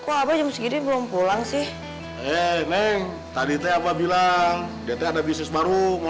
kok apa jam segini belum pulang sih neng tadi teh apa bilang dia teh ada bisnis baru mau